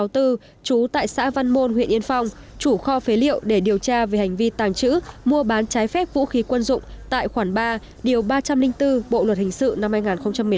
trú tại xã văn môn huyện yên phong chủ kho phế liệu để điều tra về hành vi tàng trữ mua bán trái phép vũ khí quân dụng tại khoản ba điều ba trăm linh bốn bộ luật hình sự năm hai nghìn một mươi năm